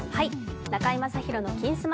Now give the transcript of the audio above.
「中居正広の金スマ」